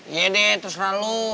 iya deh terserah lu